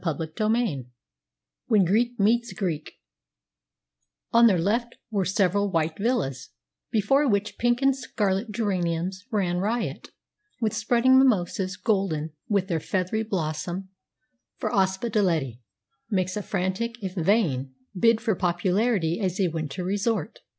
CHAPTER XXIV "WHEN GREEK MEETS GREEK" On their left were several white villas, before which pink and scarlet geraniums ran riot, with spreading mimosas golden with their feathery blossom, for Ospedaletti makes a frantic, if vain, bid for popularity as a winter resort.